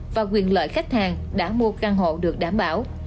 và quyền lợi khách hàng đã mua căn hộ được đảm bảo